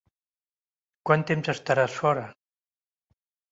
Quant temps estaràs fora?